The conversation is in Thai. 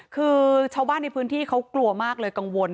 คือชาวบ้านในพื้นที่เขากลัวมากเลยกังวล